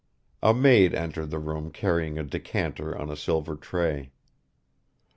. A maid entered the room carrying a decanter on a silver tray.